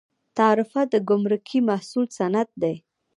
تعرفه د ګمرکي محصول سند دی